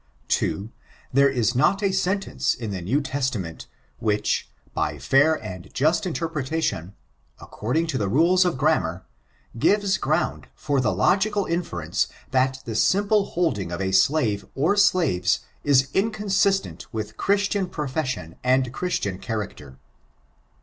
II. There is not a sentence in the New Testament tchicht hy fodr and jnst interpretation^ according to the rules of grammar^ gives ground for the logical inference that the simple holding of a slave or slaves is inconsistent with Christian profession and Christian character.